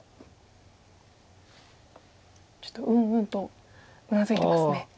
ちょっとうんうんとうなずいてますね。